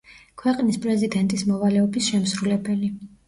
ქვეყნის პრეზიდენტის მოვალეობის შემსრულებელი.